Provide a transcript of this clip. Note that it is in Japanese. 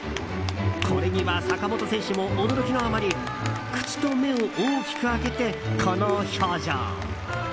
これには坂本選手も驚きのあまり口と目を大きく開けてこの表情。